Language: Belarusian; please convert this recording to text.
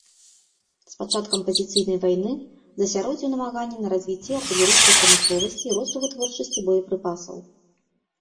З пачаткам пазіцыйнай вайны засяродзіў намаганні на развіцці артылерыйскай прамысловасці і росту вытворчасці боепрыпасаў.